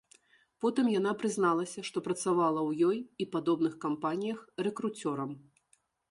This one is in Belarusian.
Потым яна прызналася, што працавала ў ёй і падобных кампаніях рэкруцёрам.